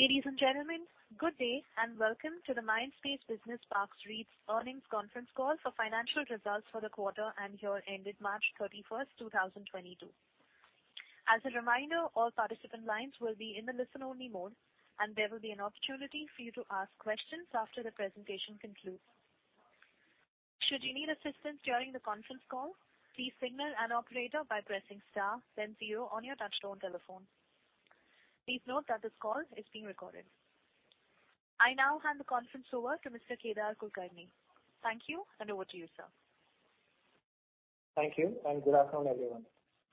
Ladies and gentlemen, good day, and welcome to the Mindspace Business Parks REIT's earnings conference call for financial results for the quarter and year ended March 31, 2022. As a reminder, all participant lines will be in the listen-only mode, and there will be an opportunity for you to ask questions after the presentation concludes. Should you need assistance during the conference call, please signal an operator by pressing star then zero on your touchtone telephone. Please note that this call is being recorded. I now hand the conference over to Mr. Kedar Kulkarni. Thank you, and over to you, sir. Thank you, and good afternoon, everyone.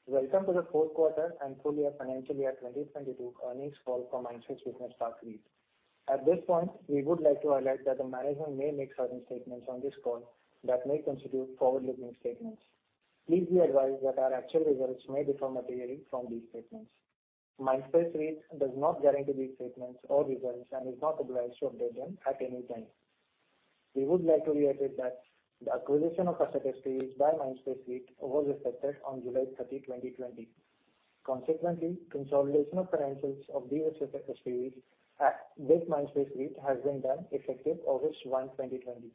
Welcome to the fourth quarter and full year financial year 2022 earnings call for Mindspace Business Parks REIT. At this point, we would like to alert that the management may make certain statements on this call that may constitute forward-looking statements. Please be advised that our actual results may differ materially from these statements. Mindspace REIT does not guarantee these statements or results and is not obliged to update them at any time. We would like to reiterate that the acquisition of Asset SPVs by Mindspace REIT was effective on July 30, 2020. Consequently, consolidation of financials of these Asset SPVs into Mindspace REIT has been done effective August 1, 2020.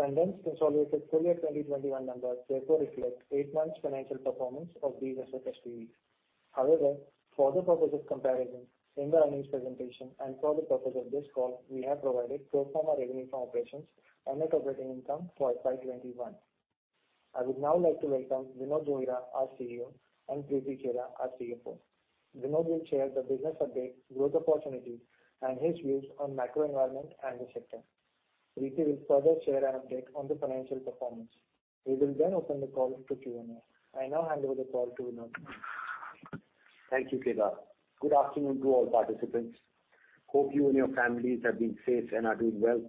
Condensed consolidated full year 2021 numbers therefore reflect eight months financial performance of these Asset SPVs. However, for the purpose of comparison in the earnings presentation and for the purpose of this call, we have provided pro forma revenue from operations and net operating income for FY 2021. I would now like to welcome Vinod Rohira, our CEO, and Preeti Chheda, our CFO. Vinod will share the business update, growth opportunities, and his views on macro environment and the sector. Preeti will further share an update on the financial performance. We will then open the call to Q&A. I now hand over the call to Vinod. Thank you, Kedar. Good afternoon to all participants. Hope you and your families have been safe and are doing well.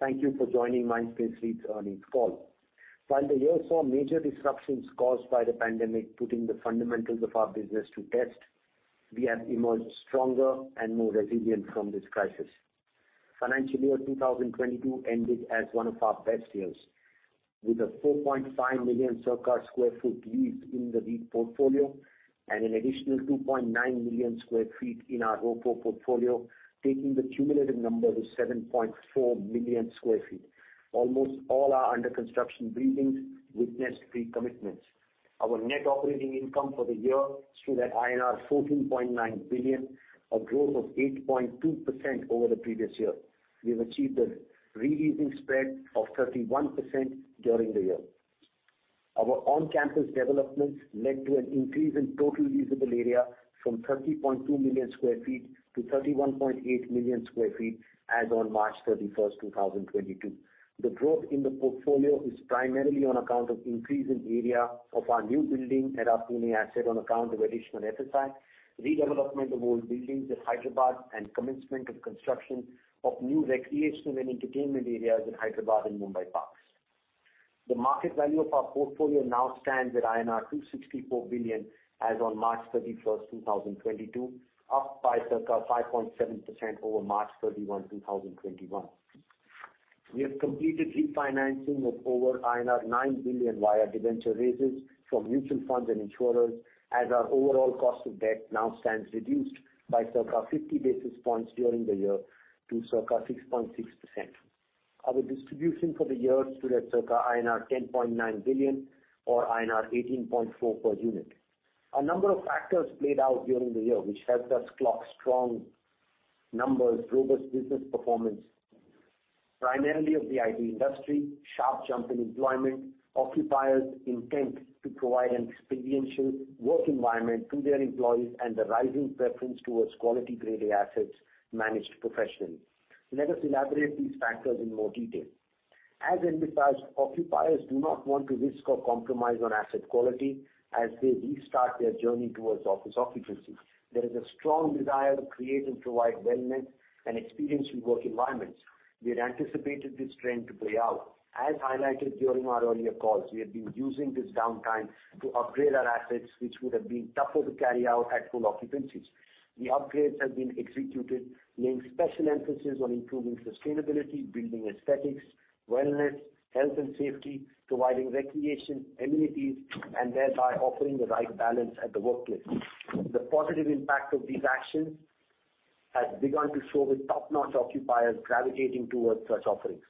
Thank you for joining Mindspace REIT's earnings call. While the year saw major disruptions caused by the pandemic, putting the fundamentals of our business to test, we have emerged stronger and more resilient from this crisis. Financial year 2022 ended as one of our best years, with 4.5 million sq ft leased in the REIT portfolio and an additional 2.9 million sq ft in our ROFO portfolio, taking the cumulative number to 7.4 million sq ft. Almost all our under construction buildings witnessed pre-commitments. Our net operating income for the year stood at INR 14.9 billion, a growth of 8.2% over the previous year. We have achieved a re-leasing spread of 31% during the year. Our on-campus developments led to an increase in total leasable area from 30.2 million sq ft to 31.8 million sq ft as on March 31st, 2022. The growth in the portfolio is primarily on account of increase in area of our new building at our Pune asset on account of additional FSI, redevelopment of old buildings in Hyderabad, and commencement of construction of new recreational and entertainment areas in Hyderabad and Mumbai parks. The market value of our portfolio now stands at INR 264 billion as on March 31st, 2022, up by circa 5.7% over March 31st, 2021. We have completed refinancing of over INR 9 billion via debenture raises from mutual funds and insurers as our overall cost of debt now stands reduced by circa 50 basis points during the year to circa 6.6%. Our distribution for the year stood at circa INR 10.9 billion or INR 18.4 per unit. A number of factors played out during the year which helped us clock strong numbers, robust business performance, primarily of the IT industry, sharp jump in employment, occupiers' intent to provide an experiential work environment to their employees, and the rising preference towards quality-graded assets managed professionally. Let us elaborate these factors in more detail. As emphasized, occupiers do not want to risk or compromise on asset quality as they restart their journey towards office occupancy. There is a strong desire to create and provide wellness and experiential work environments. We had anticipated this trend to play out. As highlighted during our earlier calls, we have been using this downtime to upgrade our assets, which would have been tougher to carry out at full occupancies. The upgrades have been executed, laying special emphasis on improving sustainability, building aesthetics, wellness, health and safety, providing recreation amenities, and thereby offering the right balance at the workplace. The positive impact of these actions has begun to show with top-notch occupiers gravitating towards such offerings.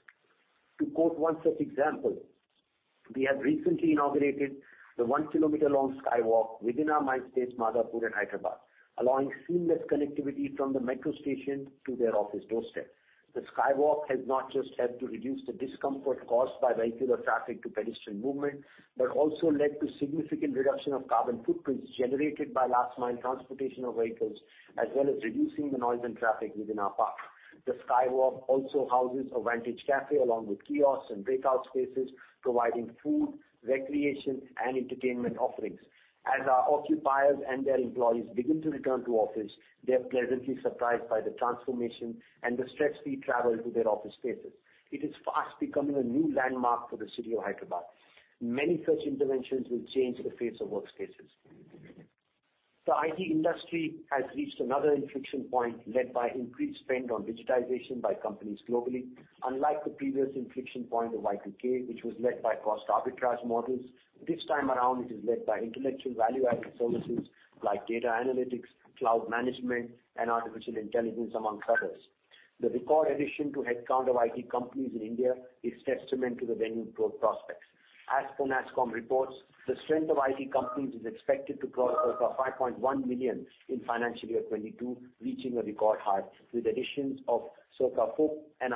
To quote one such example, we have recently inaugurated the 1-kilometer-long skywalk within our Mindspace Madhapur in Hyderabad, allowing seamless connectivity from the metro station to their office doorstep. The skywalk has not just helped to reduce the discomfort caused by vehicular traffic to pedestrian movement, but also led to significant reduction of carbon footprints generated by last mile transportation of vehicles, as well as reducing the noise and traffic within our park. The skywalk also houses a vantage cafe along with kiosks and breakout spaces, providing food, recreation, and entertainment offerings. As our occupiers and their employees begin to return to office, they're pleasantly surprised by the transformation and the stretch we travel to their office spaces. It is fast becoming a new landmark for the city of Hyderabad. Many such interventions will change the face of workspaces. The IT industry has reached another inflection point led by increased spend on digitization by companies globally. Unlike the previous inflection point of Y2K, which was led by cost arbitrage models, this time around it is led by intellectual value-added services like data analytics, cloud management, and artificial intelligence, among others. The record addition to headcount of IT companies in India is testament to the immense growth prospects. As per NASSCOM reports, the strength of IT companies is expected to cross over 5.1 million in financial year 2022, reaching a record high, with additions of circa 4.5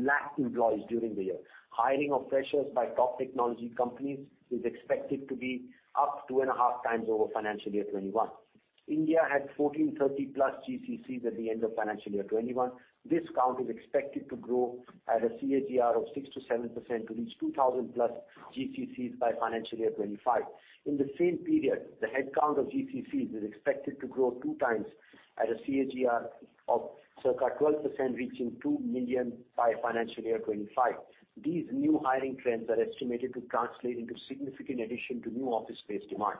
lakh employees during the year. Hiring of freshers by top technology companies is expected to be up 2.5 times over financial year 2021. India had 1,430+ GCCs at the end of financial year 2021. This count is expected to grow at a CAGR of 6%-7% to reach 2,000+ GCCs by financial year 2025. In the same period, the headcount of GCCs is expected to grow 2 times at a CAGR of circa 12%, reaching 2 million by financial year 25. These new hiring trends are estimated to translate into significant addition to new office space demand.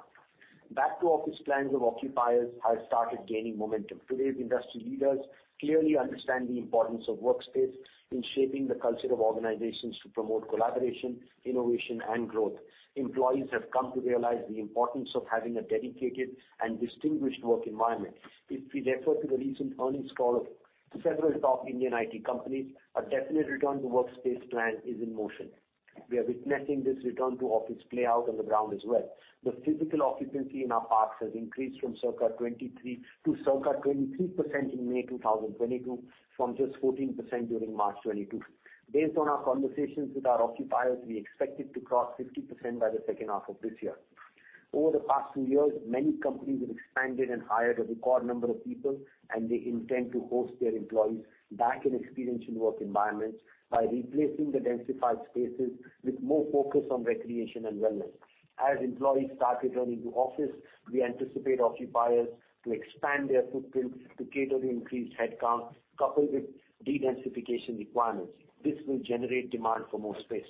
Back to office plans of occupiers have started gaining momentum. Today's industry leaders clearly understand the importance of workspace in shaping the culture of organizations to promote collaboration, innovation, and growth. Employees have come to realize the importance of having a dedicated and distinguished work environment. If we refer to the recent earnings call of several top Indian IT companies, a definite return to workspace plan is in motion. We are witnessing this return to office play out on the ground as well. The physical occupancy in our parks has increased from 14% during March 2022 to circa 23% in May 2022. Based on our conversations with our occupiers, we expect it to cross 50% by the second half of this year. Over the past 2 years, many companies have expanded and hired a record number of people, and they intend to host their employees back in experiential work environments by replacing the densified spaces with more focus on recreation and wellness. As employees start returning to office, we anticipate occupiers to expand their footprint to cater to increased headcount, coupled with dedensification requirements. This will generate demand for more space.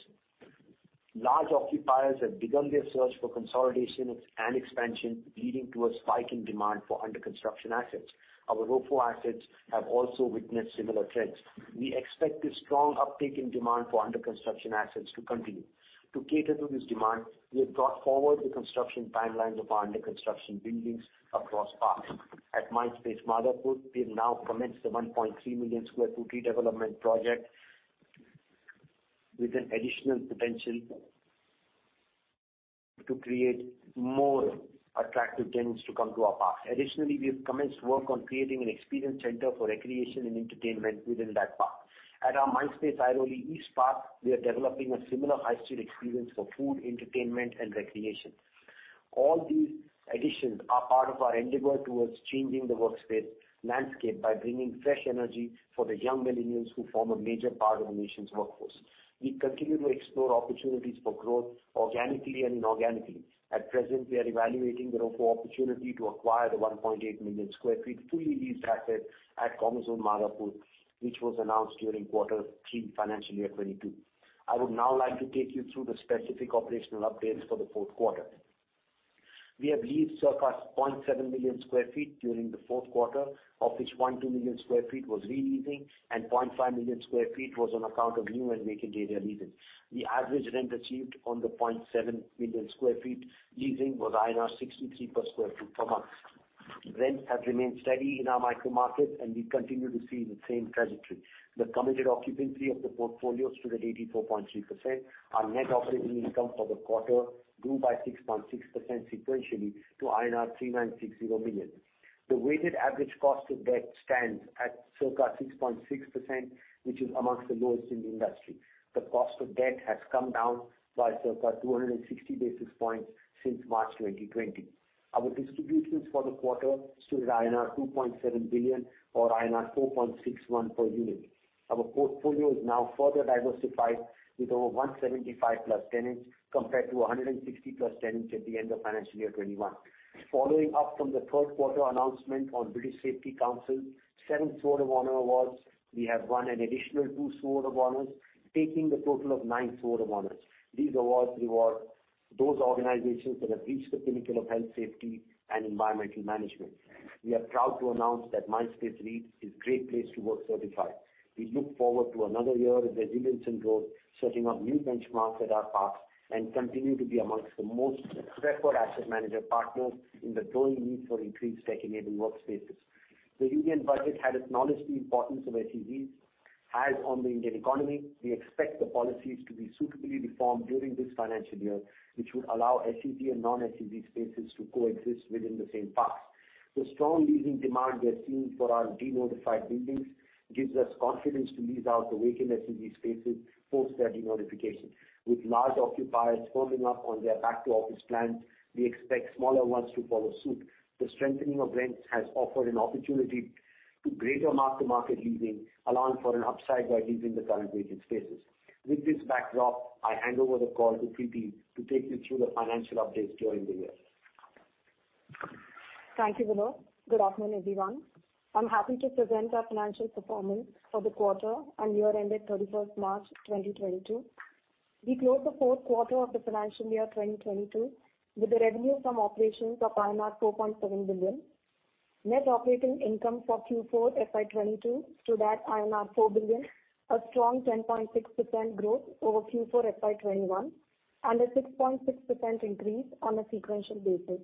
Large occupiers have begun their search for consolidation and expansion, leading to a spike in demand for under-construction assets. Our ROFO assets have also witnessed similar trends. We expect this strong uptick in demand for under-construction assets to continue. To cater to this demand, we have brought forward the construction timelines of our under-construction buildings across parks. At Mindspace Madhapur, we have now commenced the 1.3 million sq ft redevelopment project with an additional potential to create more attractive tenants to come to our park. Additionally, we have commenced work on creating an experience center for recreation and entertainment within that park. At our Mindspace Airoli East park, we are developing a similar high street experience for food, entertainment, and recreation. All these additions are part of our endeavor towards changing the workspace landscape by bringing fresh energy for the young millennials who form a major part of the nation's workforce. We continue to explore opportunities for growth organically and inorganically. At present, we are evaluating the ROFO opportunity to acquire the 1.8 million sq ft fully leased asset at Commerzone Madhapur, which was announced during quarter 3 FY 2022. I would now like to take you through the specific operational updates for the fourth quarter. We have leased circa 0.7 million sq ft during the fourth quarter, of which 0.2 million sq ft was re-leasing and 0.5 million sq ft was on account of new and vacant area leasing. The average rent achieved on the 0.7 million sq ft leasing was INR 60 per sq ft per month. Rents have remained steady in our micro markets, and we continue to see the same trajectory. The committed occupancy of the portfolio stood at 84.3%. Our net operating income for the quarter grew by 6.6% sequentially to INR 396 million. The weighted average cost of debt stands at circa 6.6%, which is among the lowest in the industry. The cost of debt has come down by circa 260 basis points since March 2020. Our distributions for the quarter stood at INR 2.7 billion, or INR 4.61 per unit. Our portfolio is now further diversified with over 175+ tenants, compared to 160+ tenants at the end of financial year 2021. Following up from the third quarter announcement on British Safety Council seventh Sword of Honour awards, we have won an additional two Sword of Honours, taking the total of nine Sword of Honours. These awards reward those organizations that have reached the pinnacle of health, safety, and environmental management. We are proud to announce that Mindspace REIT is Great Place to Work-certified. We look forward to another year of resilience and growth, setting up new benchmarks at our parks, and continue to be among the most preferred asset manager partners in the growing need for increased tech-enabled workspaces. The Union Budget had acknowledged the importance of SEZs have on the Indian economy. We expect the policies to be suitably reformed during this financial year, which would allow SEZ and non-SEZ spaces to coexist within the same park. The strong leasing demand we are seeing for our de-notified buildings gives us confidence to lease out the vacant SEZ spaces post their de-notification. With large occupiers firming up on their back-to-office plans, we expect smaller ones to follow suit. The strengthening of rents has offered an opportunity to greater mark-to-market leasing, allowing for an upside by leasing the current vacant spaces. With this backdrop, I hand over the call to Preeti to take you through the financial updates during the year. Thank you, Vinod. Good afternoon, everyone. I'm happy to present our financial performance for the quarter and year ended 31st March 2022. We closed the fourth quarter of the financial year 2022 with a revenue from operations of 4.7 billion. Net operating income for Q4 FY 2022 stood at 4 billion, a strong 10.6% growth over Q4 FY 2021, and a 6.6% increase on a sequential basis.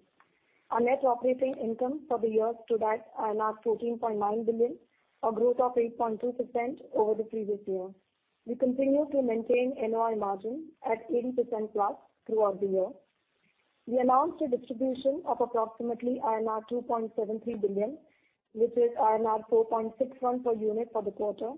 Our net operating income for the year stood at 14.9 billion, a growth of 8.2% over the previous year. We continue to maintain NOI margin at 80%+ throughout the year. We announced a distribution of approximately INR 2.73 billion, which is INR 4.61 per unit for the quarter.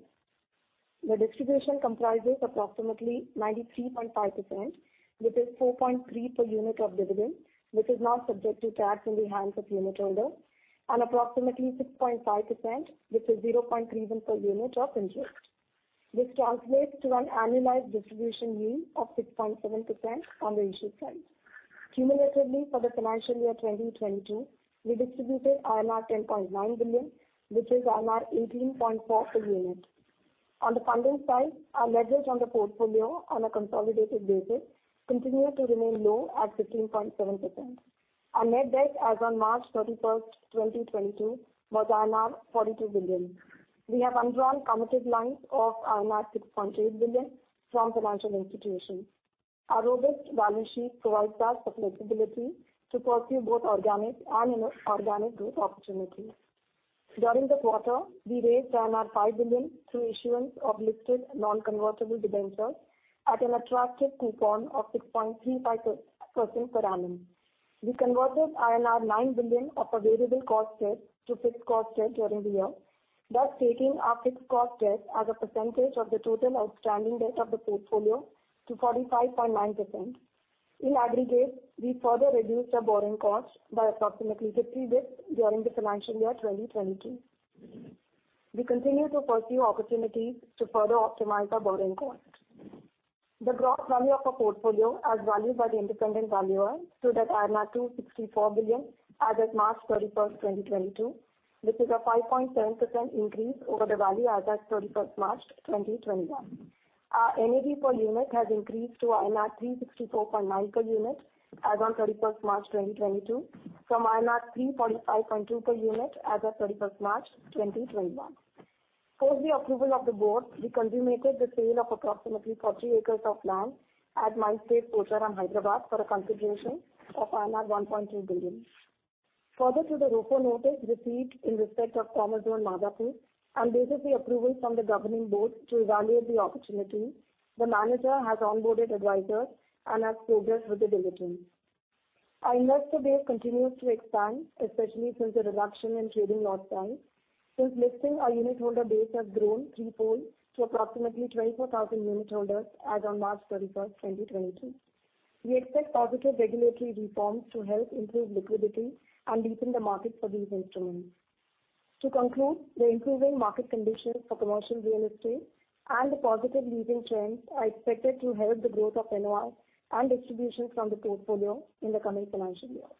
The distribution comprises approximately 93.5%, which is 4.3 per unit of dividend, which is now subject to tax in the hands of unit holder, and approximately 6.5%, which is 0.31 per unit of interest. This translates to an annualized distribution yield of 6.7% on the issue size. Cumulatively, for the financial year 2022, we distributed 10.9 billion, which is 18.4 per unit. On the funding side, our leverage on the portfolio on a consolidated basis continued to remain low at 15.7%. Our net debt as on March 31, 2022 was INR 42 billion. We have undrawn committed lines of INR 6.8 billion from financial institutions. Our robust balance sheet provides us flexibility to pursue both organic and inorganic growth opportunities. During this quarter, we raised 5 billion through issuance of listed non-convertible debentures at an attractive coupon of 6.35% per annum. We converted INR 9 billion of variable cost debt to fixed cost debt during the year, thus taking our fixed cost debt as a percentage of the total outstanding debt of the portfolio to 45.9%. In aggregate, we further reduced our borrowing costs by approximately 50 basis points during the financial year 2022. We continue to pursue opportunities to further optimize our borrowing costs. The gross value of our portfolio, as valued by the independent valuer, stood at 264 billion as of March 31, 2022, which is a 5.7% increase over the value as at March 31, 2021. Our NAV per unit has increased to INR 364.9 per unit as on March 31, 2022 from INR 345.2 per unit as of March 31, 2021. Post the approval of the board, we consummated the sale of approximately 40 acres of land at Mindspace Pocharam, Hyderabad, for a consideration of INR 1.2 billion. Further to the ROFO notice received in respect of Commerzone Madhapur, and based on the approval from the governing board to evaluate the opportunity, the manager has onboarded advisors and has progressed with the diligence. Our investor base continues to expand, especially since the reduction in trading lot size. Since listing, our unit holder base has grown threefold to approximately 24,000 unit holders as on March 31, 2022. We expect positive regulatory reforms to help improve liquidity and deepen the market for these instruments. To conclude, the improving market conditions for commercial real estate and the positive leasing trends are expected to help the growth of NOI and distributions from the portfolio in the coming financial year.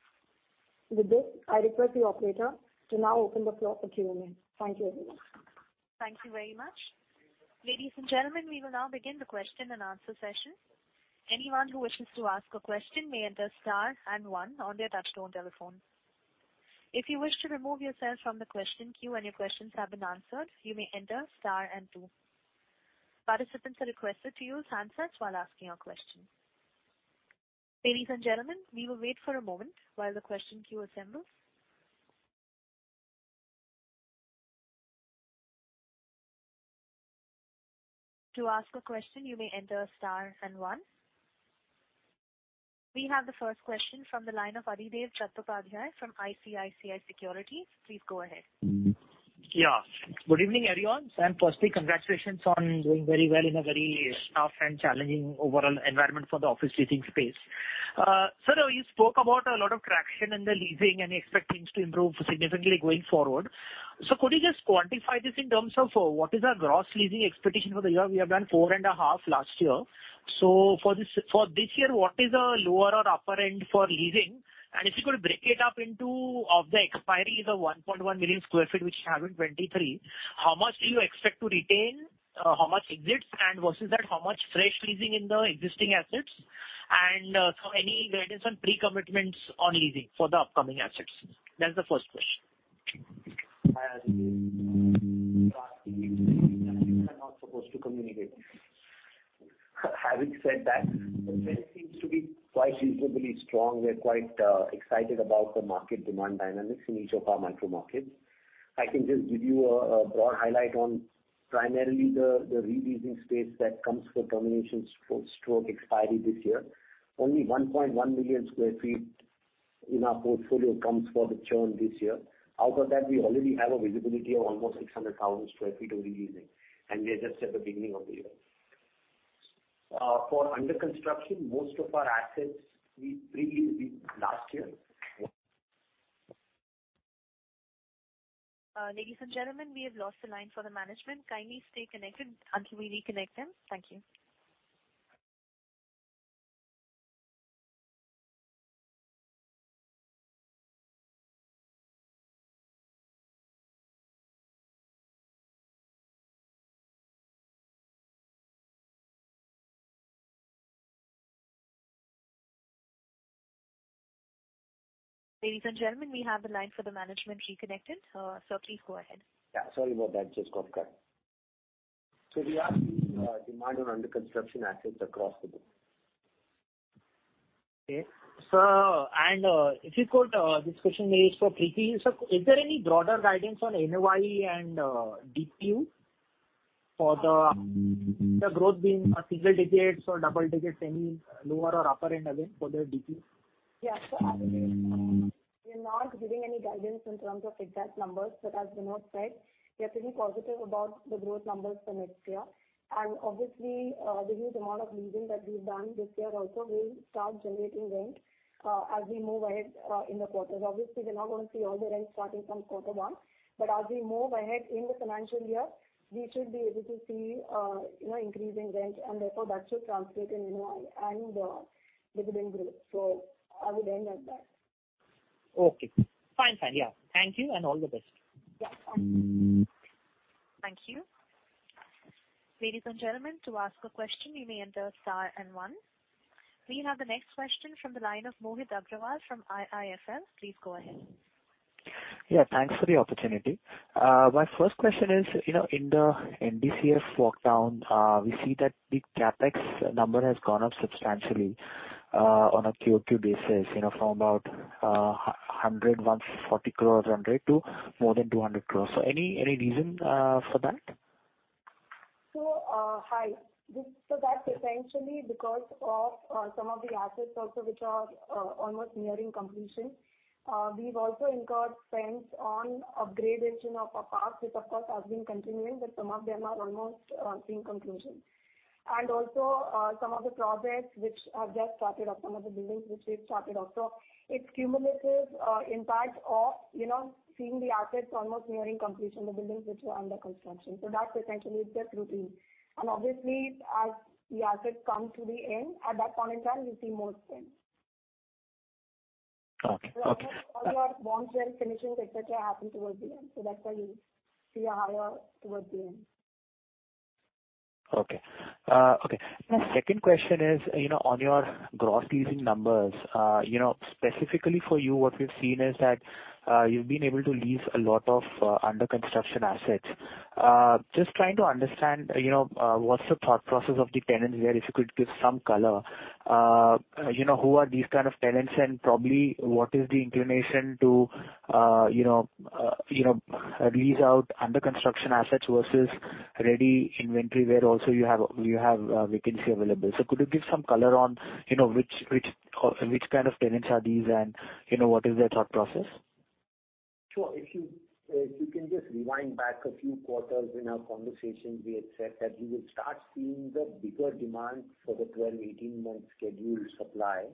With this, I request the operator to now open the floor for Q&A. Thank you, everyone. Thank you very much. Ladies and gentlemen, we will now begin the question and answer session. Anyone who wishes to ask a question may enter star and one on their touchtone telephone. If you wish to remove yourself from the question queue when your questions have been answered, you may enter star and two. Participants are requested to use handsets while asking your question. Ladies and gentlemen, we will wait for a moment while the question queue assembles. To ask a question, you may enter star and one. We have the first question from the line of Adhidev Chattopadhyay from ICICI Securities. Please go ahead. Yeah. Good evening, everyone. Firstly, congratulations on doing very well in a very tough and challenging overall environment for the office leasing space. Sir, you spoke about a lot of traction in the leasing, and you expect things to improve significantly going forward. Could you just quantify this in terms of what is our gross leasing expectation for the year? We have done 4.5 last year. For this year, what is our lower or upper end for leasing? If you could break it up into of the expiries of 1.1 million sq ft which you have in 2023, how much do you expect to retain? How much exits? Versus that, how much fresh leasing in the existing assets? Any guidance on pre-commitments on leasing for the upcoming assets? That's the first question. Hi, Adhidev. We are not supposed to communicate. Having said that, the trend seems to be quite reasonably strong. We're quite excited about the market demand dynamics in each of our micro markets. I can just give you a broad highlight on primarily the re-leasing space that comes for termination, surrender or expiry this year. Only 1.1 million sq ft in our portfolio comes for the churn this year. Out of that, we already have a visibility of almost 600,000 sq ft of re-leasing, and we are just at the beginning of the year. For under construction, most of our assets we pre-leased last year. Ladies and gentlemen, we have lost the line for the management. Kindly stay connected until we reconnect them. Thank you. Ladies and gentlemen, we have the line for the management reconnected. Please go ahead. Yeah, sorry about that. Just got cut. We are seeing demand on under construction assets across the board. Okay, if you could, this question is for Preeti. Is there any broader guidance on NOI and DPU for the growth being single digits or double digits, any lower or upper end again for the DPU? Yeah. As of now, we are not giving any guidance in terms of exact numbers, but as Vinod said, we are feeling positive about the growth numbers for next year. Obviously, the huge amount of leasing that we've done this year also will start generating rent, as we move ahead in the quarters. Obviously, we're not going to see all the rent starting from quarter one. As we move ahead in the financial year, we should be able to see, you know, increase in rent, and therefore that should translate in NOI and, dividend growth. I would end at that. Okay. Fine. Yeah. Thank you and all the best. Yeah. Thank you. Thank you. Ladies and gentlemen, to ask a question, you may enter star and one. We have the next question from the line of Mohit Agrawal from IIFL. Please go ahead. Yeah, thanks for the opportunity. My first question is, you know, in the NDCF walk down, we see that the CapEx number has gone up substantially on a QoQ basis, you know, from about 140 crores roughly to more than 200 crores. Any reason for that? That's essentially because of some of the assets also which are almost nearing completion. We've also incurred spends on upgradation of our parks, which of course has been continuing, but some of them are almost seeing conclusion. Some of the projects which have just started or some of the buildings which we've started off. It's cumulative impact of, you know, seeing the assets almost nearing completion, the buildings which were under construction. That potentially is just routine. Obviously as the assets come to the end, at that point in time, you see more spend. Okay. Okay. All your bonds and finishes, et cetera, happen towards the end. That's why you see a higher towards the end. Okay. Okay. Yes. Second question is, you know, on your gross leasing numbers, you know, specifically for you, what we've seen is that, you've been able to lease a lot of under construction assets. Just trying to understand, you know, what's the thought process of the tenants there, if you could give some color. You know, who are these kind of tenants, and probably what is the inclination to, you know, lease out under construction assets versus ready inventory where also you have vacancy available. Could you give some color on, you know, which kind of tenants are these and, you know, what is their thought process? Sure. If you can just rewind back a few quarters in our conversation, we had said that we will start seeing the bigger demand for the 12-18 month scheduled supply,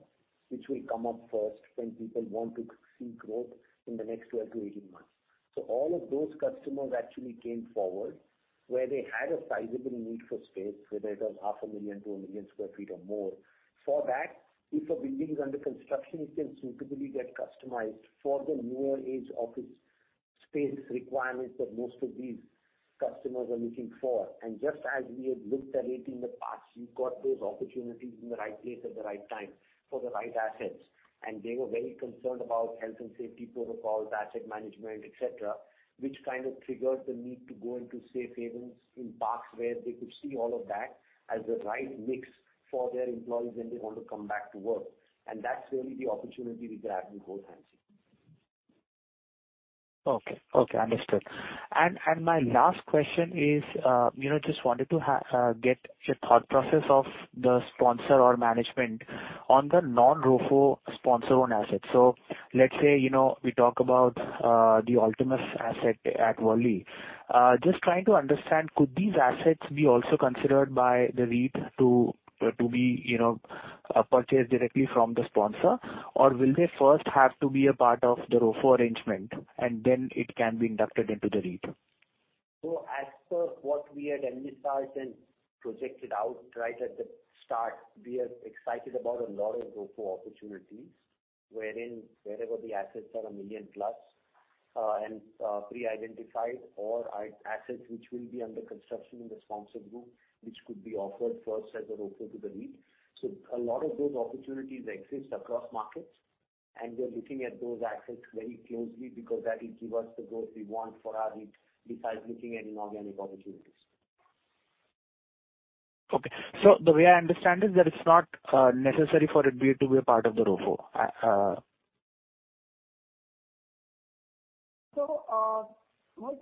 which will come up first when people want to see growth in the next 12-18 months. All of those customers actually came forward where they had a sizable need for space, whether it was half a million to 1 million sq ft or more. For that, if a building is under construction, it can suitably get customized for the newer age office space requirements that most of these customers are looking for. Just as we had looked at it in the past, you got those opportunities in the right place at the right time for the right assets. They were very concerned about health and safety protocols, asset management, et cetera, which kind of triggered the need to go into safe havens in parks where they could see all of that as the right mix for their employees when they want to come back to work. That's really the opportunity we grabbed with both hands. Okay. Okay, understood. My last question is, you know, just wanted to get your thought process of the sponsor or management on the non-ROFO sponsor-owned assets. So let's say, you know, we talk about the Altimus asset at Worli. Just trying to understand, could these assets be also considered by the REIT to be, you know, purchased directly from the sponsor? Or will they first have to be a part of the ROFO arrangement, and then it can be inducted into the REIT? As per what we had envisaged and projected out right at the start, we are excited about a lot of ROFO opportunities, wherein wherever the assets are a million plus, and pre-identified or assets which will be under construction in the sponsor group, which could be offered first as a ROFO to the REIT. A lot of those opportunities exist across markets, and we're looking at those assets very closely because that will give us the growth we want for our REIT, besides looking at inorganic opportunities. Okay. The way I understand is that it's not necessary for it to be a part of the ROFO. Mohit Agrawal,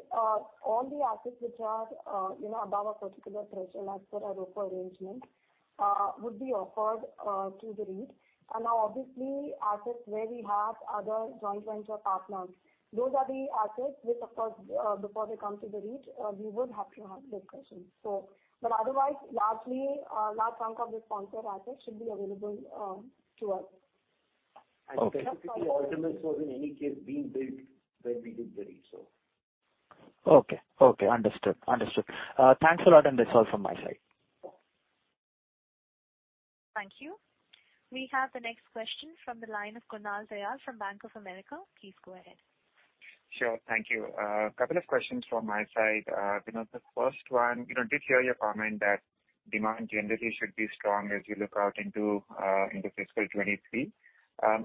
all the assets which are, you know, above a particular threshold as per our ROFO arrangement, would be offered to the REIT. Now obviously assets where we have other joint venture partners, those are the assets which of course, before they come to the REIT, we would have to have discussions. Otherwise, largely, a large chunk of the sponsor assets should be available to us. Okay. Specifically, Altimus was in any case being built when we did the REIT, so. Okay. Understood. Thanks a lot, and that's all from my side. Thank you. We have the next question from the line of Kunal Tayal from Bank of America. Please go ahead. Sure. Thank you. Couple of questions from my side. Vinod, the first one, you know, did hear your comment that demand generally should be strong as you look out into fiscal 2023.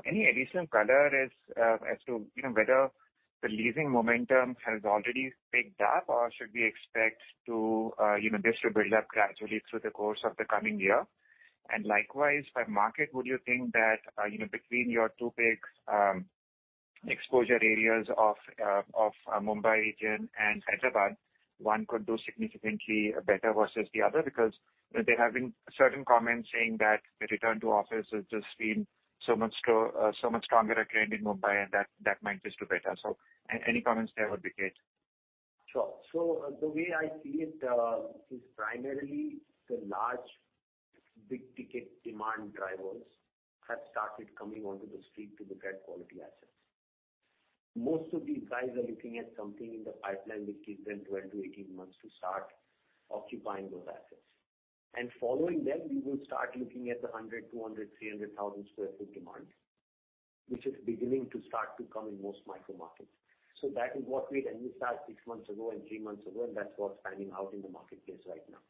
Any additional color as to, you know, whether the leasing momentum has already picked up or should we expect to, you know, this to build up gradually through the course of the coming year? Likewise, by market, would you think that, you know, between your two big exposure areas of Mumbai region and Hyderabad, one could do significantly better versus the other? Because there have been certain comments saying that the return to office has just been so much stronger a trend in Mumbai and that might just do better. Any comments there would be great. Sure. The way I see it is primarily the large big-ticket demand drivers have started coming onto the street to look at quality assets. Most of these guys are looking at something in the pipeline which gives them 12-18 months to start occupying those assets. Following them, we will start looking at the 100, 200, 300 thousand sq ft demand, which is beginning to start to come in most micro markets. That is what we'd emphasized 6 months ago and 3 months ago, and that's what's panning out in the marketplace right now.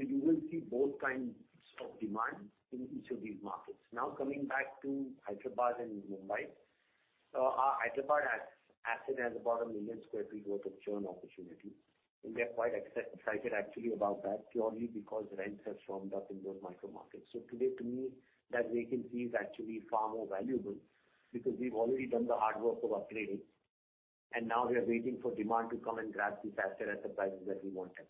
You will see both kinds of demand in each of these markets. Now, coming back to Hyderabad and Mumbai. Our Hyderabad has about 1 million sq ft worth of churn opportunity. We are quite excited actually about that, purely because rents have firmed up in those micro markets. Today, to me, that vacancy is actually far more valuable because we've already done the hard work of upgrading, and now we are waiting for demand to come and grab these assets at the prices that we want them.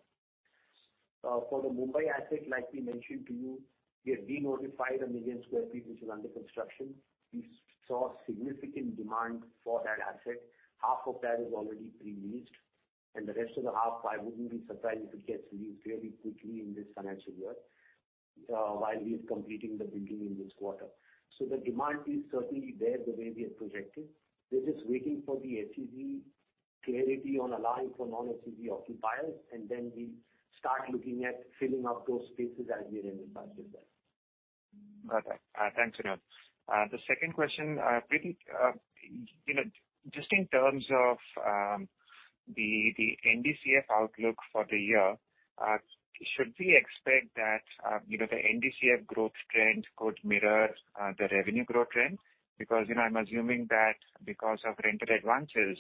For the Mumbai asset, like we mentioned to you, we have denotified 1 million sq ft, which is under construction. We saw significant demand for that asset. Half of that is already pre-leased, and the rest of the half, I wouldn't be surprised if it gets leased fairly quickly in this financial year, while we're completing the building in this quarter. The demand is certainly there the way we have projected. We're just waiting for the SEZ clarity on allowing for non-SEZ occupiers, and then we start looking at filling up those spaces as we're in the process there. Got it. Thanks, Vinod. The second question, Preeti, you know, just in terms of the NDCF outlook for the year, should we expect that, you know, the NDCF growth trend could mirror the revenue growth trend? Because, you know, I'm assuming that because of rental advances,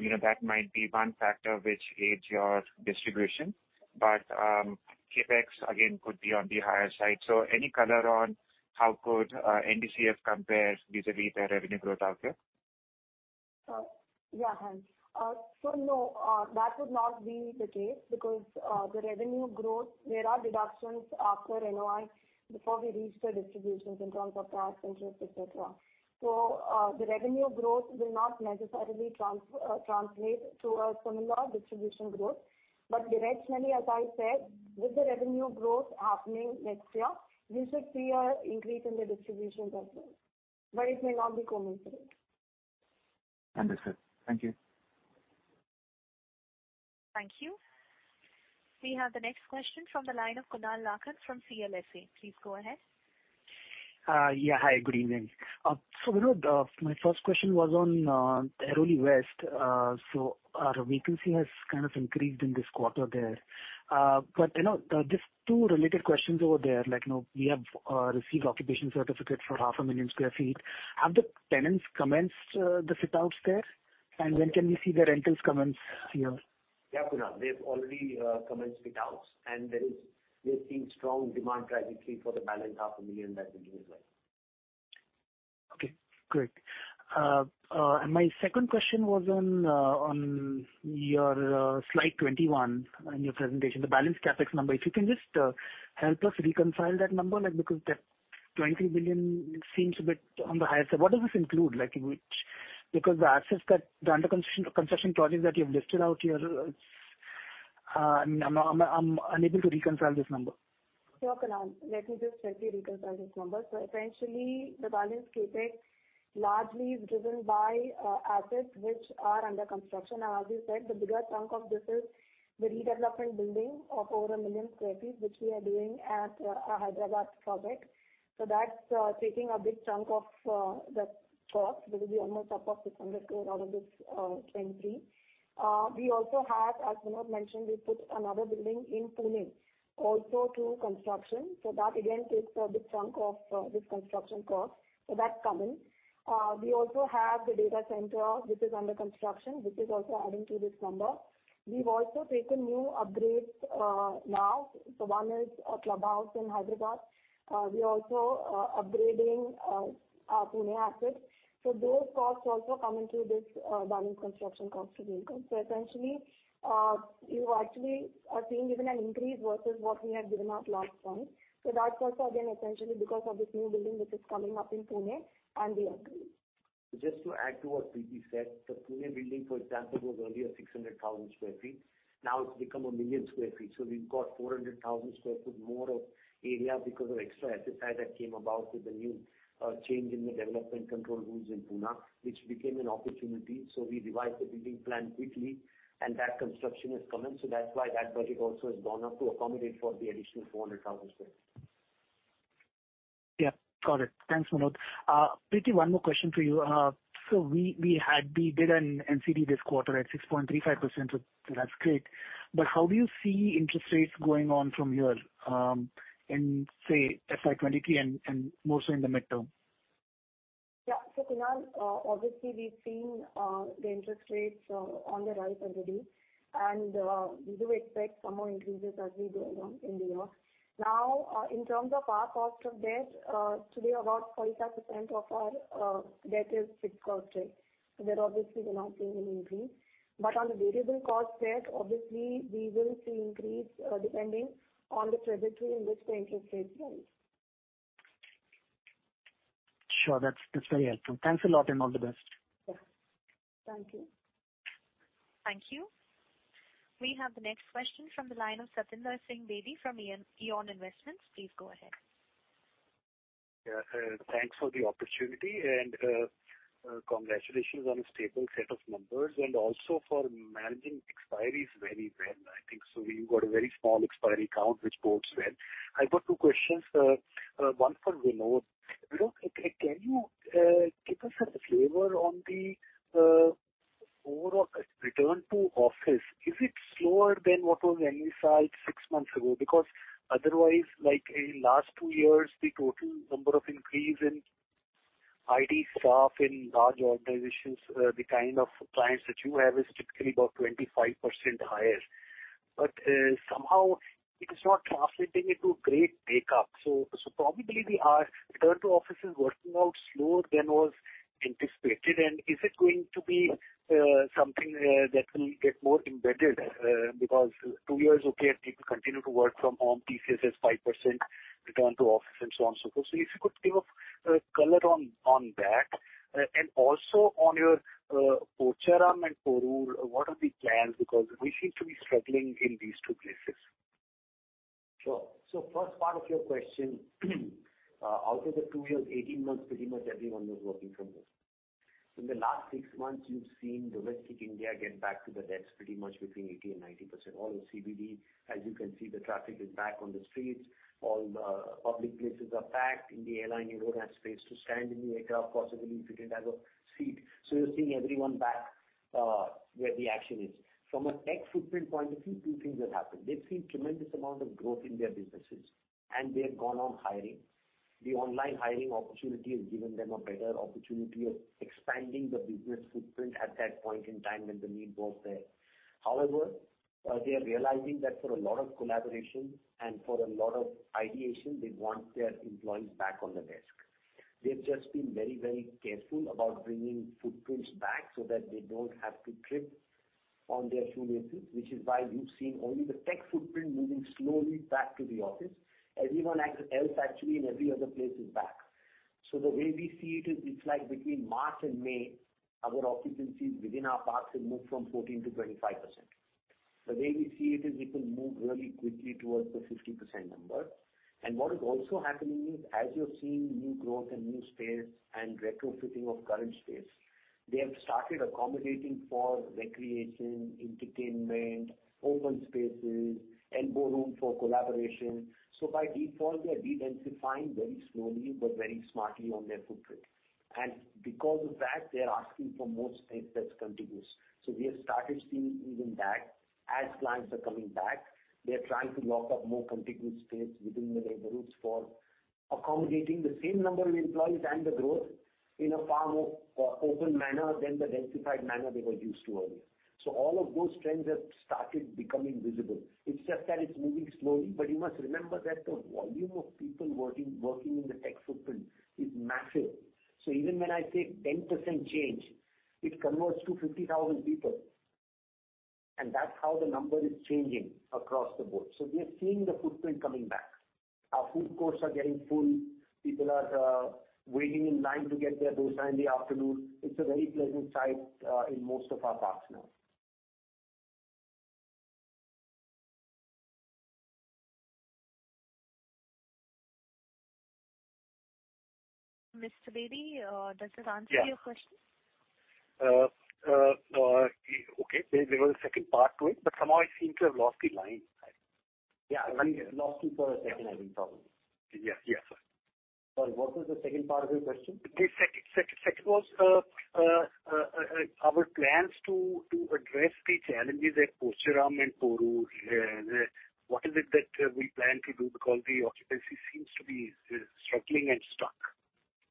you know, that might be one factor which aids your distribution. But CapEx again could be on the higher side. Any color on how NDCF could compare vis-a-vis the revenue growth out there? Yeah, Hans. No, that would not be the case because the revenue growth, there are deductions after NOI before we reach the distributions in terms of tax, interest, et cetera. The revenue growth will not necessarily translate to a similar distribution growth. Directionally, as I said, with the revenue growth happening next year, we should see a increase in the distributions as well. It may not be commensurate. Understood. Thank you. Thank you. We have the next question from the line of Kunal Lakhan from CLSA. Please go ahead. Yeah. Hi, good evening. Vinod, my first question was on Airoli East. Our vacancy has kind of increased in this quarter there. You know, just two related questions over there, like, you know, we have received occupation certificate for half a million sq ft. Have the tenants commenced the fit outs there? And when can we see the rentals commence here? Yeah, Kunal. They've already commenced fit outs, and we are seeing strong demand gradually for the balance half a million that will be leased out. Okay, great. My second question was on your slide 21 in your presentation, the balance CapEx number. If you can just help us reconcile that number, like, because that 20 billion seems a bit on the higher side. What does this include? Like, which? Because the assets that the under construction projects that you've listed out here, I'm unable to reconcile this number. Sure, Kunal. Let me just help you reconcile this number. Essentially, the balance CapEx largely is driven by assets which are under construction. Now, as you said, the bigger chunk of this is the redevelopment building of over 1 million sq ft, which we are doing at our Hyderabad project. That's taking a big chunk of the cost. This will be almost up to INR 600 crores out of this 23. We also have, as Vinod mentioned, we put another building in Pune also into construction. That again takes a big chunk of this construction cost. That's coming. We also have the data center which is under construction, which is also adding to this number. We've also taken new upgrades now. One is a clubhouse in Hyderabad. We're also upgrading our Pune assets. Those costs also come into this balanced construction cost to build them. Essentially, you actually are seeing even an increase versus what we had given out last time. That's also again, essentially because of this new building which is coming up in Pune and the upgrades. Just to add to what Preeti said, the Pune building, for example, was earlier 600,000 sq ft. Now it's become a million sq ft. We've got 400,000 square foot more of area because of extra FSI that came about with the new change in the development control rules in Pune, which became an opportunity. We revised the building plan quickly and that construction has commenced. That's why that budget also has gone up to accommodate for the additional 400,000 sq ft. Yeah. Got it. Thanks, Vinod. Preeti, one more question for you. So we did an NCD this quarter at 6.35%. That's great. But how do you see interest rates going on from here, in, say, FY 2023 and more so in the midterm? Yeah. Kunal, obviously we've seen the interest rates on the rise already, and we do expect some more increases as we go along in the year. Now, in terms of our cost of debt, today about 45% of our debt is fixed cost debt. There obviously we're not seeing any increase. On the variable cost debt, obviously we will see increase, depending on the trajectory in which the interest rates rise. Sure. That's very helpful. Thanks a lot and all the best. Sure. Thank you. Thank you. We have the next question from the line of Satinder Singh Bedi from Eon Infotech. Please go ahead. Yeah. Thanks for the opportunity and congratulations on a stable set of numbers and also for managing expiries very well. I think so you've got a very small expiry count, which bodes well. I've got two questions. One for Vinod. Vinod, can you give us a flavor on the overall return to office? Is it slower than what was envisaged six months ago? Because otherwise, like in last two years, the total number of increase in IT staff in large organizations, the kind of clients that you have is typically about 25% higher. Somehow it is not translating into great take up. Probably the return to office is working out slower than was anticipated. Is it going to be something that will get more embedded? Because two years, okay, people continue to work from home, TCS has 5% return to office, and so on, so forth. If you could give a color on that. And also on your Pocharam and Porur, what are the plans? We seem to be struggling in these two places. Sure. First part of your question, out of the 2 years, 18 months, pretty much everyone was working from home. In the last 6 months, you've seen domestic India get back to the desks pretty much between 80% and 90%. All the CBD, as you can see, the traffic is back on the streets. All the public places are packed. In the airline, you don't have space to stand in the aircraft, possibly if you didn't have a seat. You're seeing everyone back, where the action is. From a tech footprint point of view, two things have happened. They've seen tremendous amount of growth in their businesses, and they have gone on hiring. The online hiring opportunity has given them a better opportunity of expanding the business footprint at that point in time when the need was there. However, they are realizing that for a lot of collaboration and for a lot of ideation, they want their employees back on the desk. They've just been very, very careful about bringing footprints back so that they don't have to trip on their shoelaces, which is why you've seen only the tech footprint moving slowly back to the office. Everyone else actually in every other place is back. The way we see it is it's like between March and May, our occupancies within our parks have moved from 14 to 25%. The way we see it is it will move really quickly towards the 50% number. What is also happening is, as you're seeing new growth and new space and retrofitting of current space, they have started accommodating for recreation, entertainment, open spaces, elbow room for collaboration. By default, they are dedensifying very slowly but very smartly on their footprint. Because of that, they are asking for more space that's contiguous. We have started seeing even that. As clients are coming back, they are trying to lock up more contiguous space within the neighborhoods for accommodating the same number of employees and the growth in a far more open manner than the densified manner they were used to earlier. All of those trends have started becoming visible. It's just that it's moving slowly, but you must remember that the volume of people working in the tech footprint is massive. Even when I say 10% change, it converts to 50,000 people. That's how the number is changing across the board. We are seeing the footprint coming back. Our food courts are getting full. People are waiting in line to get their dosa in the afternoon. It's a very pleasant sight in most of our parks now. Mr. Bedi, does this answer your question? Yeah. Okay. There was a second part to it, but somehow I seem to have lost the line. Yeah. We lost you for a second, I think, probably. Yes. Yes. What was the second part of your question? The second was our plans to address the challenges at Pocharam and Porur. What is it that we plan to do? Because the occupancy seems to be struggling and stuck.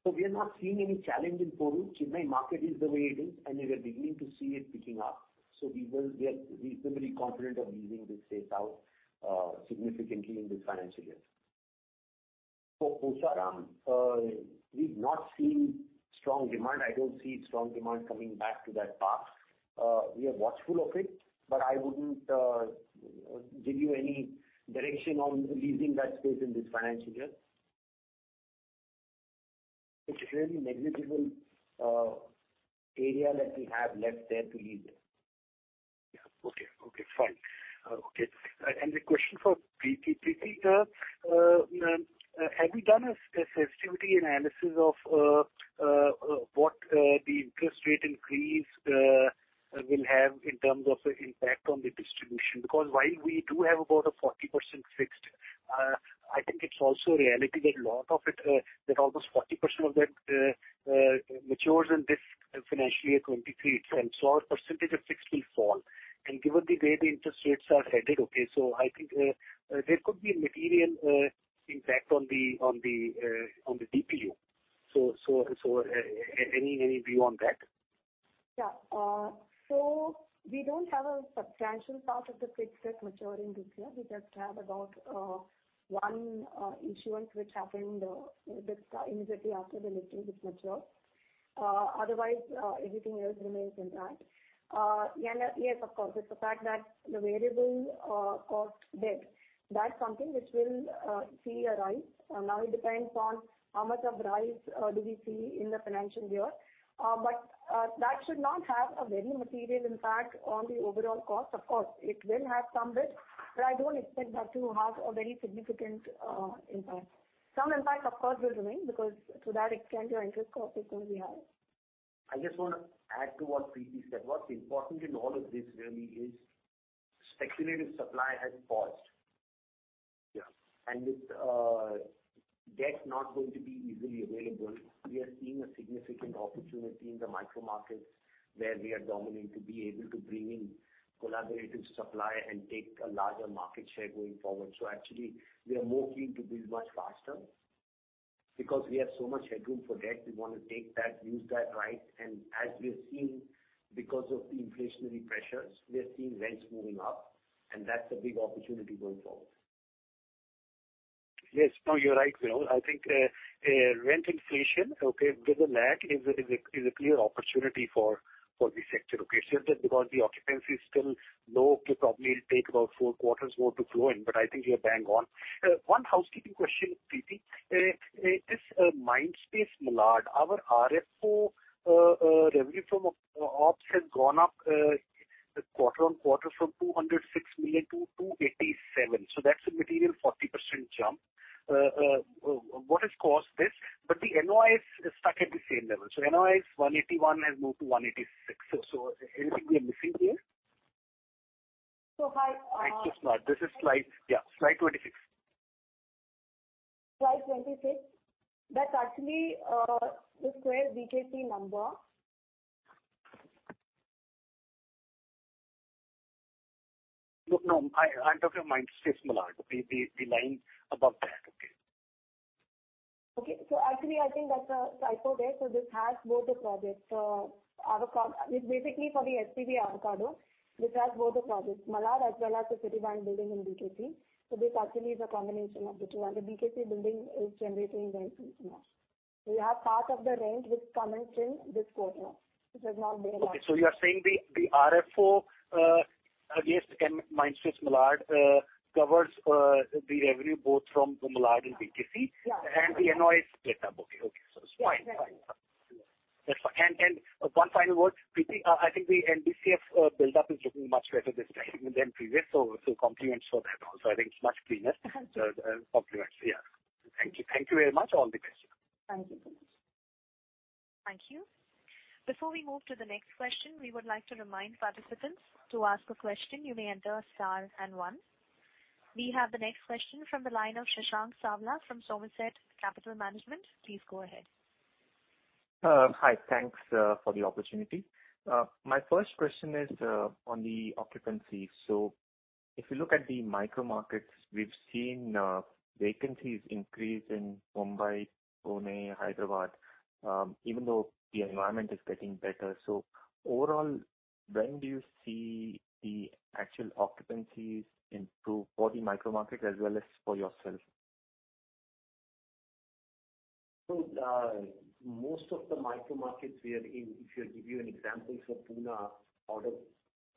We are not seeing any challenge in Porur. Chennai market is the way it is, and we are beginning to see it picking up. We are reasonably confident of leasing this space out, significantly in this financial year. For Pocharam, we've not seen strong demand. I don't see strong demand coming back to that park. We are watchful of it, but I wouldn't give you any direction on leasing that space in this financial year. It's a very negligible area that we have left there to lease. Yeah. Okay. Okay, fine. Okay. A question for Preeti. Preeti, ma'am, have you done a sensitivity analysis of what the interest rate increase will have in terms of impact on the distribution? Because while we do have about a 40% fixed, I think it's also a reality that a lot of it that almost 40% of that matures in this financial year, 2023. Our percentage of fixed will fall. Given the way the interest rates are headed, I think there could be a material impact on the DPU. Any view on that? Yeah. We don't have a substantial part of the fixed debt maturing this year. We just have about one issuance which happened just immediately after the listing, which matured. Otherwise, everything else remains intact. Yes, of course, it's a fact that the variable cost debt, that's something which will see a rise. Now it depends on how much of rise do we see in the financial year. That should not have a very material impact on the overall cost. Of course, it will have some risk, but I don't expect that to have a very significant impact. Some impact, of course, will remain because through that it can be our interest cost is going to be higher. I just wanna add to what Preeti said. What's important in all of this really is speculative supply has paused. Yeah. With debt not going to be easily available, we are seeing a significant opportunity in the micro markets where we are dominant to be able to bring in collaborative supply and take a larger market share going forward. Actually, we are more keen to build much faster because we have so much headroom for debt. We wanna take that, use that right. As we're seeing because of the inflationary pressures, we are seeing rents moving up, and that's a big opportunity going forward. Yes. No, you're right, Vinod. I think rent inflation, okay, with a lag is a clear opportunity for this sector. Okay. It's just that because the occupancy is still low, it probably will take about four quarters more to flow in, but I think you're bang on. One housekeeping question, Preeti. This Mindspace Malad, our RFO, revenue from operations has gone up quarter-on-quarter from 206 million to 287 million. That's a material 40% jump. What has caused this? The NOI is stuck at the same level. NOI is 181 million, has moved to 186 million. Anything we are missing here? I This is slide 26. Slide 26. That's actually the Square, BKC number. No. I'm talking of Mindspace Malad. The line above that. Okay. Okay. Actually, I think that's a typo there. This has both the projects. It's basically for the SPV Avacado, which has both the projects, Malad as well as the Citibank building in BKC. This actually is a combination of the two. The BKC building is generating rent since now. We have part of the rent which commenced in this quarter, which has not been. Okay. You are saying the RFO against Mindspace Malad covers the revenue both from the Malad and BKC? Yeah. The NOI is split up. Okay. It's fine. Yeah. That's fine. One final word, Preeti, I think the NDCF buildup is looking much better this time than previous. Compliments for that also. I think it's much cleaner. Compliments. Yeah. Thank you. Thank you very much. All the best. Thank you so much. Thank you. Before we move to the next question, we would like to remind participants to ask a question, you may enter star and one. We have the next question from the line of Shashank Savla from Somerset Capital Management. Please go ahead. Hi. Thanks for the opportunity. My first question is on the occupancy. If you look at the micro markets, we've seen vacancies increase in Mumbai, Pune, Hyderabad, even though the environment is getting better. Overall, when do you see the actual occupancies improve for the micro market as well as for yourself? Most of the micro markets we are in, if I give you an example for Pune, out of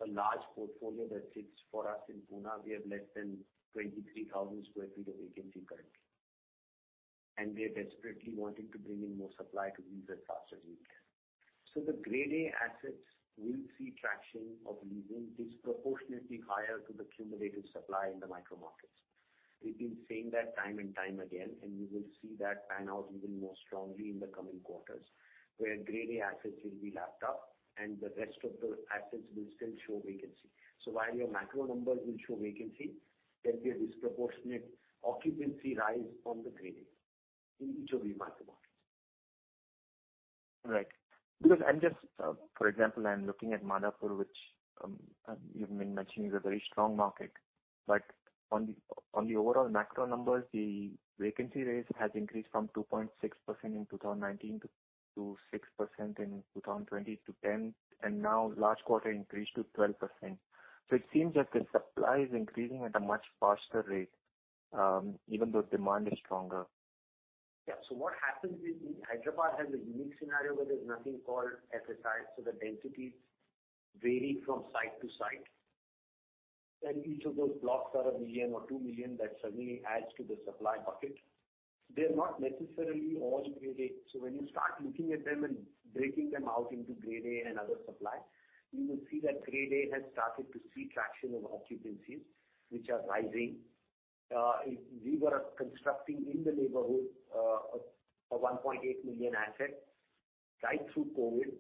a large portfolio that sits for us in Pune, we have less than 23,000 sq ft of vacancy currently. We're desperately wanting to bring in more supply to lease as fast as we can. The Grade A assets will see traction of leasing disproportionately higher to the cumulative supply in the micro markets. We've been saying that time and time again, and we will see that pan out even more strongly in the coming quarters, where Grade A assets will be lapped up and the rest of the assets will still show vacancy. While your macro numbers will show vacancy, there'll be a disproportionate occupancy rise on the grading in each of the micro markets. Right. Because I'm just, for example, I'm looking at Madhapur, which you've been mentioning is a very strong market. On the overall macro numbers, the vacancy rates has increased from 2.6% in 2019 to 6% in 2020 to 10%, and now last quarter increased to 12%. It seems that the supply is increasing at a much faster rate, even though demand is stronger. Yeah. What happens is Hyderabad has a unique scenario where there's nothing called FSI, so the densities vary from site to site. Each of those blocks are 1 million or 2 million that suddenly adds to the supply bucket. They're not necessarily all Grade A. When you start looking at them and breaking them out into Grade A and other supply, you will see that Grade A has started to see traction of occupancies, which are rising. We were constructing in the neighborhood, a 1.8 million asset right through COVID.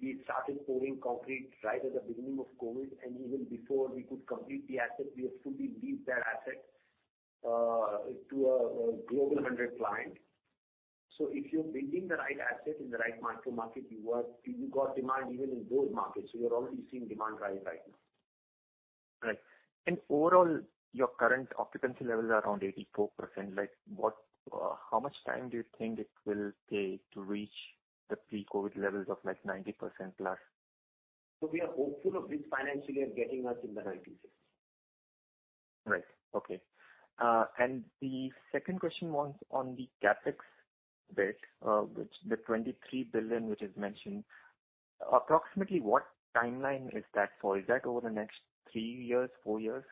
We started pouring concrete right at the beginning of COVID, and even before we could complete the asset, we have fully leased that asset to a Global 100 client. If you're building the right asset in the right micro market, you got demand even in those markets. You are already seeing demand rise right now. Right. Overall, your current occupancy levels are around 84%. Like, what, how much time do you think it will take to reach the pre-COVID levels of, like, 90% plus? We are hopeful of this financially and getting us in the right places. Right. Okay. The second question was on the CapEx bit, which the 23 billion is mentioned. Approximately what timeline is that for? Is that over the next 3 years, 4 years?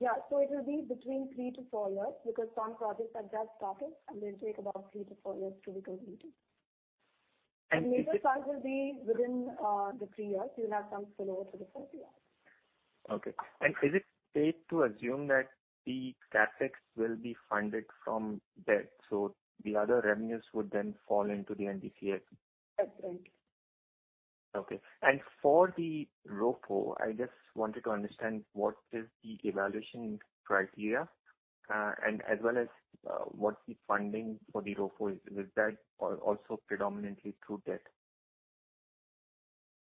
Yeah. It will be between 3-4 years because some projects are just starting, and they'll take about 3-4 years to be completed. Is it- Major sites will be within the three years. You'll have some spill over to the fourth year. Okay. Is it safe to assume that the CapEx will be funded from debt, so the other revenues would then fall into the NDCF? That's right. Okay. For the ROFO, I just wanted to understand what is the evaluation criteria, and as well as what the funding for the ROFO. Is that also predominantly through debt?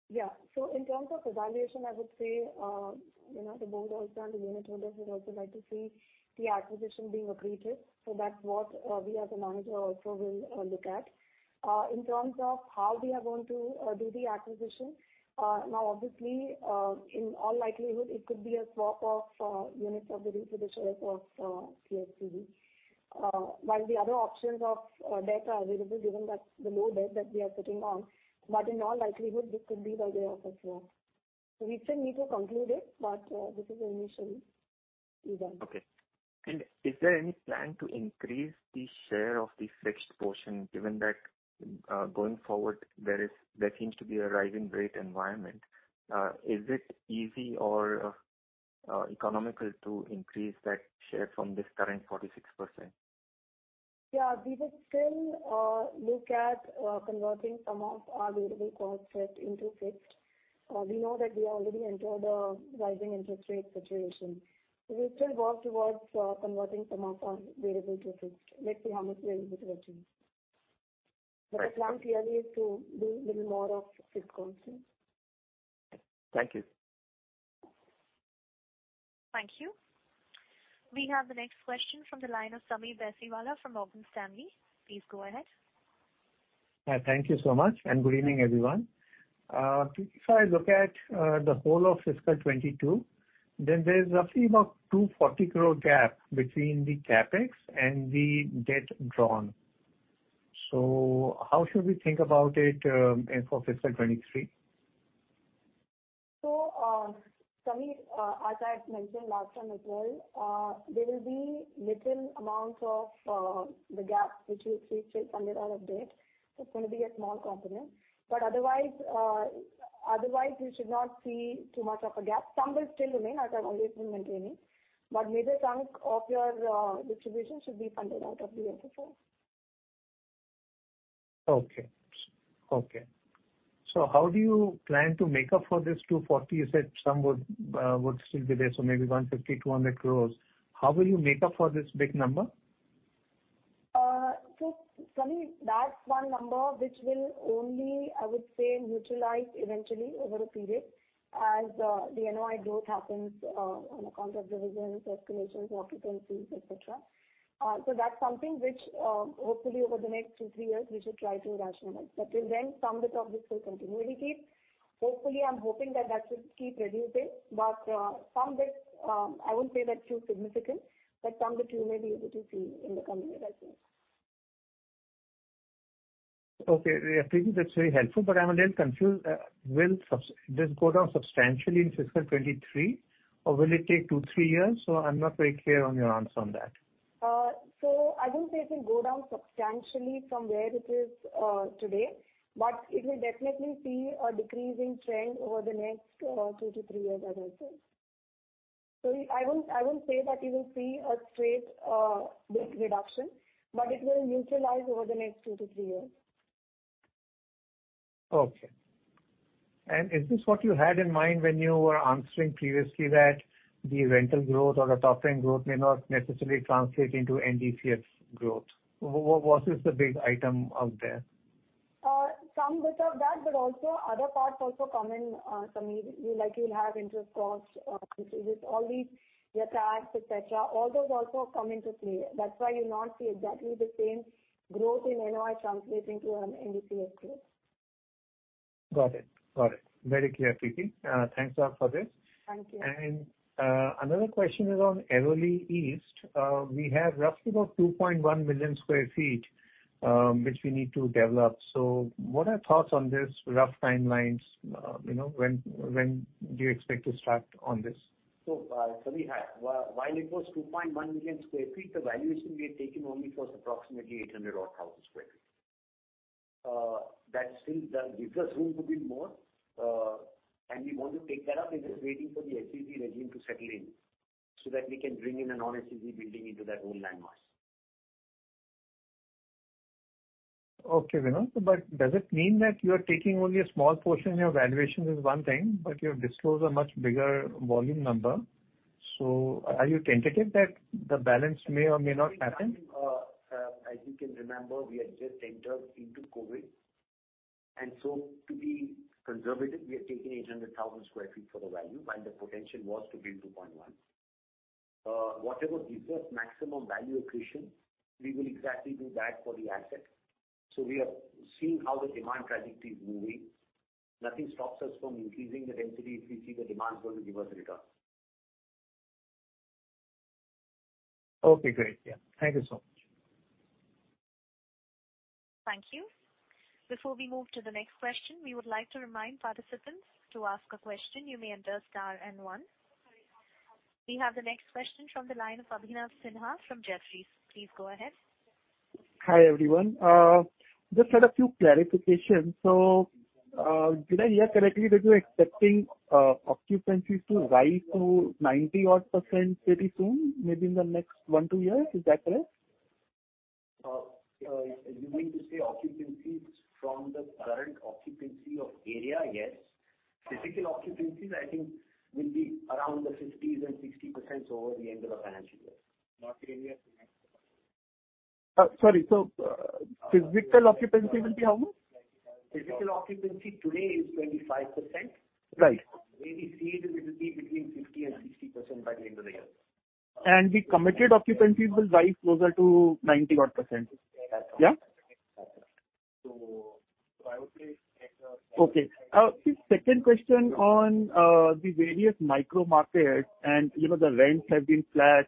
Yeah. In terms of evaluation, I would say, you know, the board has done. The unit holders would also like to see the acquisition being accretive. That's what we as a manager also will look at. In terms of how we are going to do the acquisition. Now, obviously, in all likelihood, it could be a swap of units of the REIT in lieu of CCPS. While the other options of debt are available, given that the low debt that we are sitting on. In all likelihood, it could be by way of a swap. We still need to conclude it, but this is the initial intent. Okay. Is there any plan to increase the share of the fixed portion given that, going forward there seems to be a rising rate environment? Is it easy or economical to increase that share from this current 46%? Yeah. We will still look at converting some of our variable costs set into fixed. We know that we already entered a rising interest rate situation. We'll still work towards converting some of our variable to fixed. Let's see how much we're able to achieve. Right. The plan clearly is to do little more of fixed costing. Thank you. Thank you. We have the next question from the line of Sameer Baisiwala from Morgan Stanley. Please go ahead. Thank you so much, and good evening, everyone. If I look at the whole of fiscal 2022, then there's roughly about 240 crore gap between the CapEx and the debt drawn. How should we think about it for fiscal 2023? Sameer, as I had mentioned last time as well, there will be little amount of the gap which we'll see funded out of debt. It's gonna be a small component. Otherwise, you should not see too much of a gap. Some will still remain, as I've always been maintaining, but major chunk of your distribution should be funded out of the FFO. Okay. How do you plan to make up for this 240 crores? You said some would still be there, maybe 150 crores, 200 crores. How will you make up for this big number? Sameer, that's one number which will only, I would say, neutralize eventually over a period as the NOI growth happens on account of revisions, escalations, occupancies, et cetera. That's something which, hopefully over the next two, three years we should try to rationalize. Till then, some bit of this will continue. Hopefully, I'm hoping that should keep reducing. Some bit, I won't say that too significant, but some bit you may be able to see in the coming year, I think. Okay. Yeah. Preeti, that's very helpful, but I'm a little confused. Will this go down substantially in fiscal 2023 or will it take two, three years? I'm not very clear on your answer on that. I won't say it will go down substantially from where it is today. It will definitely see a decreasing trend over the next 2-3 years as I said. I won't say that you will see a straight big reduction, but it will neutralize over the next 2-3 years. Okay. Is this what you had in mind when you were answering previously that the rental growth or the top line growth may not necessarily translate into NDCF growth? What is the big item out there? Some bit of that, but also other parts also come in, Sameer Baisiwala. You likely will have interest costs increases. All these, your tax, et cetera, all those also come into play. That's why you'll not see exactly the same growth in NOI translating to NDCF growth. Got it. Very clear, Preeti. Thanks a lot for this. Thank you. Another question is on Airoli East. We have roughly about 2.1 million sq ft, which we need to develop. What are your thoughts on these rough timelines? You know, when do you expect to start on this? Sameer, while it was 2.1 million sq ft, the valuation we had taken only was approximately 800 odd thousand sq ft. That still does give us room to build more. We want to take that up. It is waiting for the SEZ regime to settle in so that we can bring in a non-SEZ building into that whole landmark. Okay, Vinod. Does it mean that you are taking only a small portion? Your valuation is one thing, but you have disclosed a much bigger volume number. Are you tentative that the balance may or may not happen? As you can remember, we had just entered into COVID. To be conservative, we are taking 800,000 sq ft for the value, while the potential was to be 2.1. Whatever gives us maximum value accretion, we will exactly do that for the asset. We are seeing how the demand trajectory is moving. Nothing stops us from increasing the density if we see the demand is going to give us returns. Okay, great. Yeah. Thank you so much. Thank you. Before we move to the next question, we would like to remind participants to ask a question, you may enter star and one. We have the next question from the line of Abhinav Sinha from Jefferies. Please go ahead. Hi, everyone. Just had a few clarifications. Did I hear correctly that you're expecting occupancies to rise to 90-odd% pretty soon, maybe in the next 1, 2 years? Is that correct? You mean to say occupancies from the current occupancy of area? Yes. Physical occupancies, I think, will be around the 50s and 60s% over the end of the financial year. Sorry. Physical occupancy will be how much? Physical occupancy today is 25%. Right. We see it'll be between 50% and 60% by the end of the year. The committed occupancies will rise closer to 90-odd%. That's right. Yeah. I would say. Okay. Second question on the various micro markets, and you know the rents have been flat,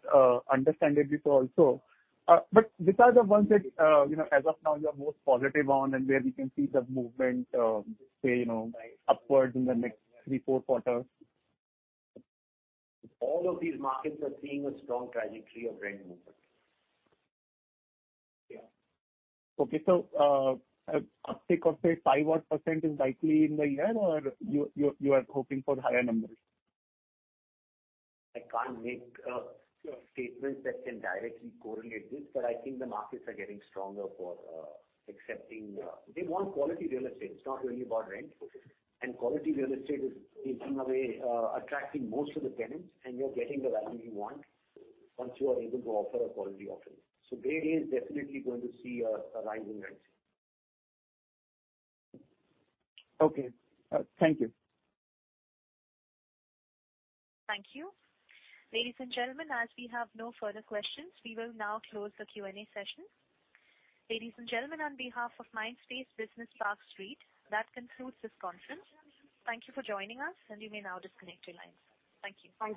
understanding this also. But which are the ones that you know as of now you are most positive on and where we can see the movement, say you know upwards in the next 3, 4 quarters? All of these markets are seeing a strong trajectory of rent movement. Yeah. Okay. Uptick of say 5 odd % is likely in the year, or you are hoping for higher numbers? I can't make a statement that can directly correlate this, but I think the markets are getting stronger for accepting. They want quality real estate. It's not really about rent. Okay. Quality real estate is in a way attracting most of the tenants, and you're getting the value you want once you are able to offer a quality office. There is definitely going to see a rise in rents. Okay. Thank you. Thank you. Ladies and gentlemen, as we have no further questions, we will now close the Q&A session. Ladies and gentlemen, on behalf of Mindspace Business Parks REIT, that concludes this conference. Thank you for joining us, and you may now disconnect your lines. Thank you. Thank you.